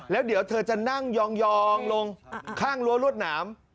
แล้วเดี๋ยวเธอจะนั่งยองลงข้างรั้วรวดหนาม